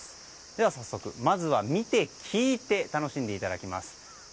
ではまず見て、聞いて楽しんでいただきます。